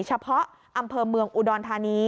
เฉพาะอำเภอเมืองอุดรธานี